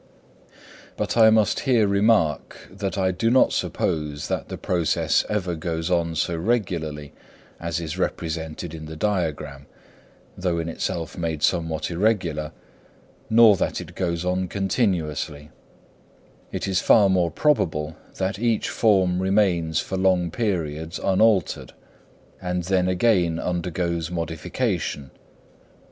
But I must here remark that I do not suppose that the process ever goes on so regularly as is represented in the diagram, though in itself made somewhat irregular, nor that it goes on continuously; it is far more probable that each form remains for long periods unaltered, and then again undergoes modification.